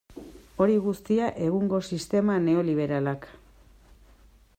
Hori guztia egungo sistema neoliberalak.